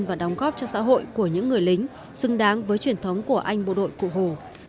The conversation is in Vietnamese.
và đóng góp cho xã hội của những người lính xứng đáng với truyền thống của anh bộ đội cụ hồ